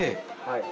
はい。